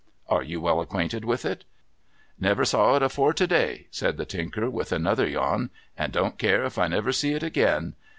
' Are you well acquainted with it ?'' Never saw it afore to day,' said the Tinker, with another yawn, * and don't care if I never see it again.